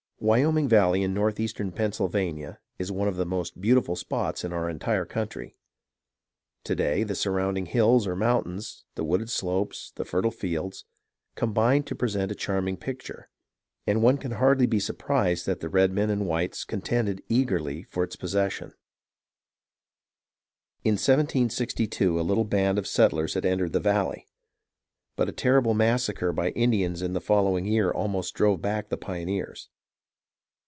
Wyoming Valley in northeastern Pennsylvania is one of the most beautiful spots in our entire country. To day, the surrounding hills or mountains, the wooded slopes, the fertile fields, combine to present a charming picture ; and one can hardly be surprised that the redmen and whites contended eagerly for its possession. In 1762 a little band of settlers had entered the valley; but a terrible massacre by the Indians in the following year almost drove back the pioneers.